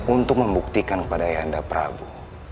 untuk membuktikan kepada ayanda prabu